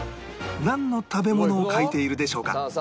なんの食べ物を描いているでしょうか？